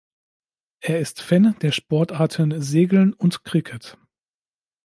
Er ist Fan der Sportarten Segeln und Cricket.